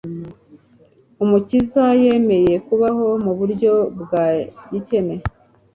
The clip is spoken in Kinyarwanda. Umukiza yemeye kubaho mu buryo bwa gikene,